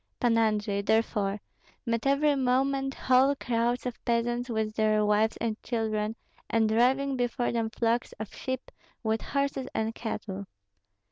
Pan Andrei, therefore, met every moment whole crowds of peasants with their wives and children, and driving before them flocks of sheep with horses and cattle.